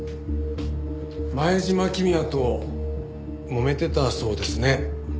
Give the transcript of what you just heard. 前島公也ともめてたそうですね。